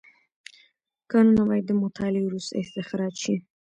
کانونه باید د مطالعې وروسته استخراج شي.